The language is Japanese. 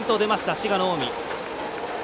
滋賀、近江。